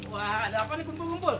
wah ada apa nih gumpul gumpul